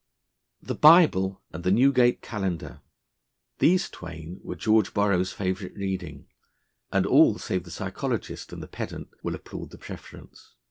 The Bible and the Newgate Calendar these twain were George Borrow's favourite reading, and all save the psychologist and the pedant will applaud the preference.